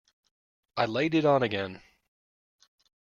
I laid it on again.